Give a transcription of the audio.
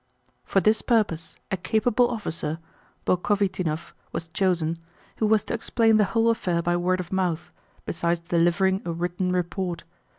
For this purpose a capable officer, Bolkhovítinov, was chosen, who was to explain the whole affair by word of mouth, besides delivering a written report.